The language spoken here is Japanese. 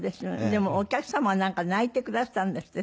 でもお客様は泣いてくだすったんですって？